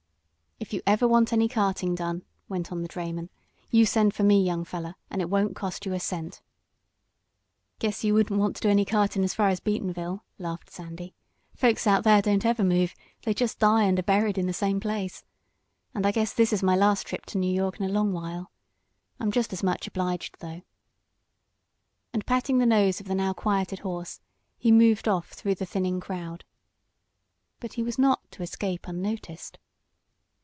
"If you ever want any carting done," went on the drayman, "you send for me, young feller, and it won't cost you a cent." "Guess you wouldn't want to do any cartin' as far as Beatonville," laughed Sandy. "Folks out there don't ever move they jest die and are buried in the same place. And I guess this is my last trip to New York in a long while. I'm jest as much obliged though," and patting the nose of the now quieted horse, he moved off through the thinning crowd. But he was not to escape unnoticed.